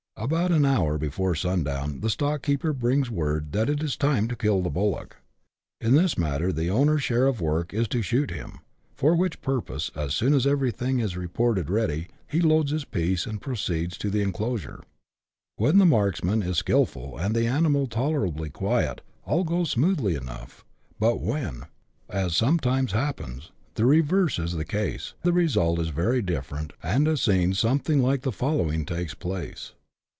About an hour before sundown the stockkeeper brings word that it is time to kill the bullock. In this matter the owner's share of the work is to shoot him, for which purpose, as soon as everything is reported ready, he loads his piece, and proceeds to the enclosure. When the marksman is skilful, and the animal tolerably quiet, all goes on smoothly enough ; but when, as sometimes 90 BUSH LIFE IN AUSTRALIA. [chap, viit., happens, the reverse is the case, the result is very different, and a scene something like the following takes place.